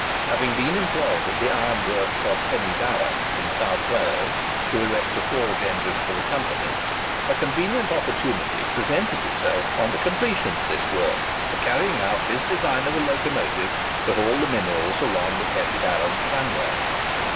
Having been employed at the iron works of Pen y darran, in South Wales, to erect a forge engine for the Company, a convenient opportunity presented itself, on the completion of this work, for carrying out his design of a locomotive to haul the minerals along the Pen y darran tramway.